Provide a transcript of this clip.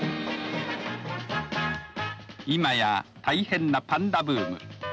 今や大変なパンダブーム。